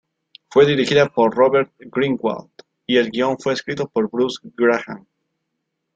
Fue dirigida por Robert Greenwald y el guion fue escrito por Bruce Graham.